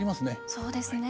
そうですね。